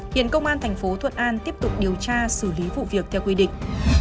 hiện công an tp thuận an tiếp tục điều tra xử lý vụ việc theo quy định